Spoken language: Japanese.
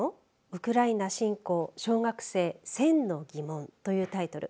ウクライナ侵攻小学生１０００のギモンというタイトル。